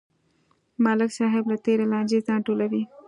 ملک صاحب له تېرې لانجې ځان ټولوي.